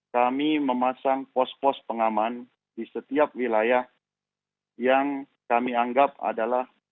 kami memasang pos pos pengaman di setiap wilayah yang kami anggap adalah